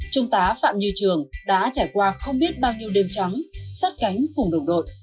trung tá phạm như trường đã trải qua không biết bao nhiêu đêm trắng sát cánh cùng đồng đội